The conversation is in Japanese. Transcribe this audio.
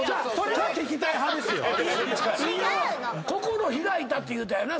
心開いたって言うたよな？